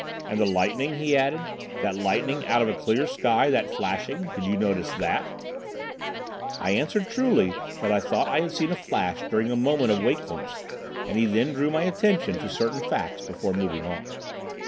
"And the lightning?" he added, "that lightning out of a clear sky—that flashing—did you notice that?" I answered truly that I thought I had seen a flash during a moment of wakefulness, and he then drew my attention to certain facts before moving on.